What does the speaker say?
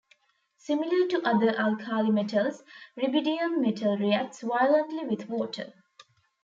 Similar to other alkali metals, rubidium metal reacts violently with water.